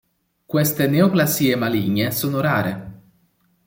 Queste neoplasie maligne sono rare.